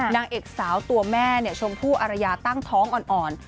นางเอกสาวตัวแม่ชมพู่อารยาตั้งท้องอ่อน